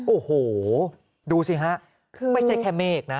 โอ้โหดูสิฮะไม่ใช่แค่เมฆนะ